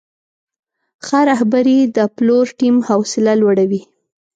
ښه رهبري د پلور ټیم حوصله لوړوي.